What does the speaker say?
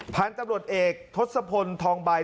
ผ่านตำรวจเอกทศพลทองบัย